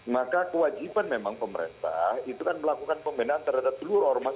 maka kewajiban memang pemerintah itu kan melakukan pembinaan terhadap seluruh ormas